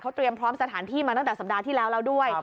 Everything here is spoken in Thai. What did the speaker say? เตรียมพร้อมสถานที่มาตั้งแต่สัปดาห์ที่แล้วแล้วด้วย